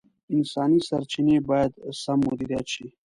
انساني سرچیني باید سم مدیریت شي.